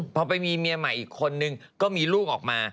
พอไปมีเมียใหม่อีกคนนึงก็มีลูกออกมา